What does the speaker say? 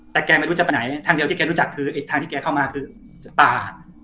แต่แกไม่รู้จะไปไหนทางเดียวที่แกรู้จักคือไอ้ทางที่แกเข้ามาคือป่า